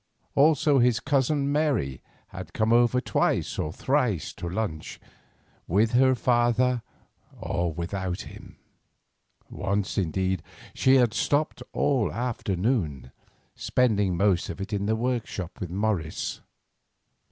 Also his Cousin Mary had come over twice or thrice to lunch, with her father or without him. Once, indeed, she had stopped all the afternoon, spending most of it in the workshop with Morris.